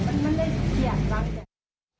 มันมันได้ที่เขียนบ้าง